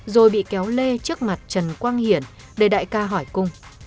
rồi bị kéo lê trước mặt trần quang hiển để đại ca hỏi cung